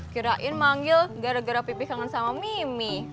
kirain manggil gara gara pipih kangen sama mimi